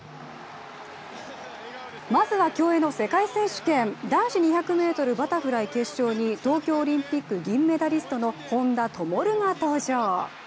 まずは競泳の世界選手権男子２００ｍバタフライ決勝に東京オリンピック銀メダリストの本多灯が登場。